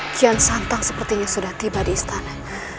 kian santong sepertinya sudah tiba di istana